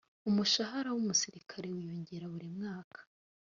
umushahara w’umusirikare wiyongera buri mwaka